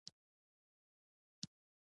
یواځې ماشومان داسې نه دي.